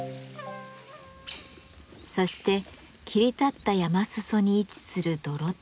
そして切り立った山裾に位置する泥田へ。